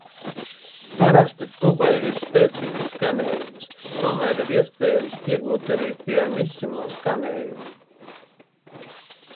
"Parasti tubai ir spēcīgs skanējums, tomēr ir iespējams iegūt arī "pianissimo" skanējumu."